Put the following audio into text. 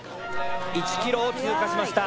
１ｋｍを通過しました。